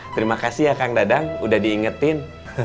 terima kasih ya kang dadang udah diingetin